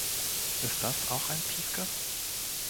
Ist das auch ein Piefke?